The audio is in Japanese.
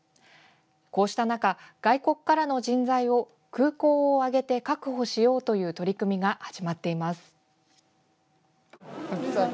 こうした中、外国からの人材を空港を挙げて確保しようという取り組みが始まっています。